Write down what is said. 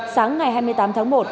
sáng ngày hai mươi tám tháng một